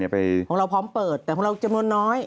ของเราพร้อมเปิดแต่ของเราจำนวนน้อย